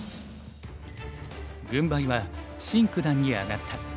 軍配はシン九段に上がった。